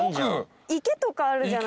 池とかある。